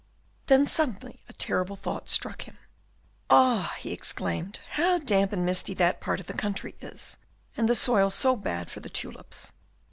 Then suddenly a terrible thought struck him. "Ah!" he exclaimed, "how damp and misty that part of the country is, and the soil so bad for the tulips!